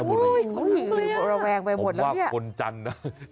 โอ้โฮเหมือนกันแบบนี้โอ้โฮระวังไปหมดแล้วเนี่ยผมว่าคนจันทบุรี